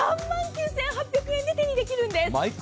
３万９８００円で手にできるんです。